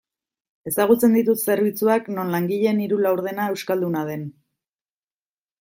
Ezagutzen ditut zerbitzuak non langileen hiru laurdena euskalduna den.